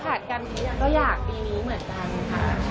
ก็ถัดกันก็อยากอยู่เหมือนกันค่ะ